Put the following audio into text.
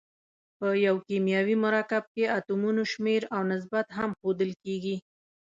په یو کیمیاوي مرکب کې اتومونو شمیر او نسبت هم ښودل کیږي.